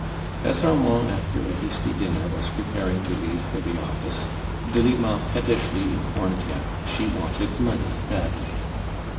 As Armand after a hasty dinner was pre paring to leave for the office, Delima pet tishly informed him she wanted money badly.